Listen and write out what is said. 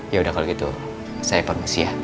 yaudah kalau gitu saya permisi ya